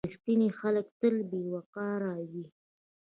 • رښتیني خلک تل باوقاره وي.